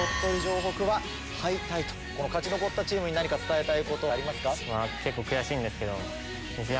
この勝ち残ったチームに何か伝えたいことありますか？